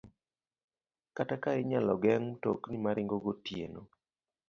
Kata ka inyalo geng' mtokni ma ringo gotieno